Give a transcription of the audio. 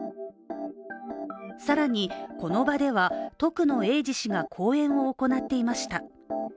更に、この場では徳野英治氏が講演を行っていました。